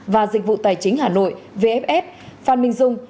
và dịch vụ tài chính hà nội vfs phan minh dung